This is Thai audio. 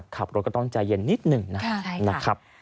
ขับรถก็ต้องใจเย็นนิดหนึ่งนะครับ